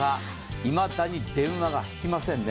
いまだに電話がひきませんね。